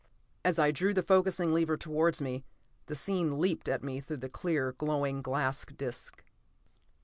As I drew the focusing lever towards me, the scene leaped at me through the clear, glowing glass disc.